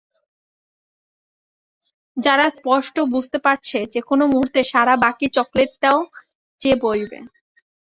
জারা স্পষ্ট বুঝতে পারছে, যেকোনো মুহূর্তে সারা বাকি চকলেটটাও চেয়ে বসবে।